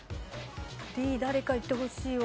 Ｄ誰かいってほしいわ。